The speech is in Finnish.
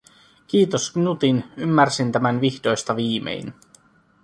Kiitos Knutin, ymmärsin tämän vihdoista viimein.